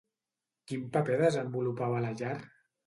Quin paper desenvolupava a la llar?